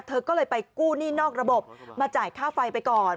เธอก็เลยไปกู้หนี้นอกระบบมาจ่ายค่าไฟไปก่อน